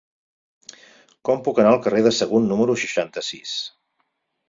Com puc anar al carrer de Sagunt número seixanta-sis?